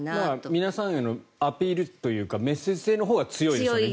皆さんへのアピールというかメッセージ性のほうが強いですよね。